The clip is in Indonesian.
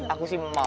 aku sih mau